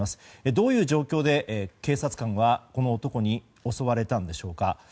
どういう状況で警察官はこの男に襲われたんでしょうか。